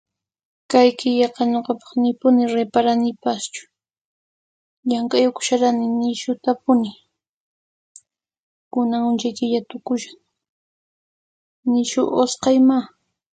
Kay killaqa nuqapaq nipuni riparanipachhu. Llamkayukuchkani nishutapuni. Kunan punchaw killa tukuchkan nishu uskayma